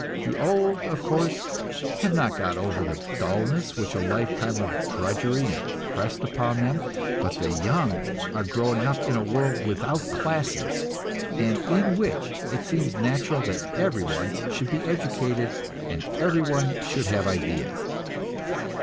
The old, of course, have not got over the dullness which a lifetime of drudgery impressed upon them, but the young are growing up in a world without classes, and in which it seems natural that everyone should be educated and everyone should have ideas.